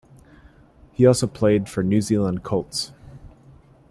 He also played for New Zealand Colts.